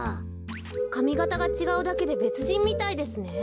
かみがたがちがうだけでべつじんみたいですね。